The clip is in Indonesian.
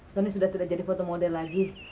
sony sudah tidak jadi foto model lagi